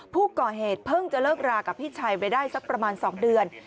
ผู้ก่อเหตุเพิ่งจะเลิกรากับพี่ชัยไปได้สักประมาณ๒เดือน